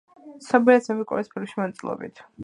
ცნობილია ძმები კოენების ფილმებში მონაწილეობით.